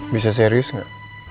bisa serius gak